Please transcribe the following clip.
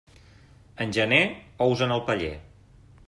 En gener, ous en el paller.